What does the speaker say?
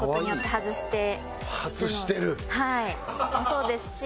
そうですし。